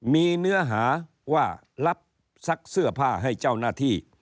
มีเนื้อหาว่ารับซักเสื้อผ้าให้เจ้าหน้าที่